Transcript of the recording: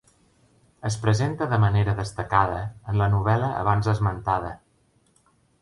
Es presenta de manera destacada en la novel·la abans esmentada.